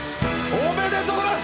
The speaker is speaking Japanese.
おめでとうございます。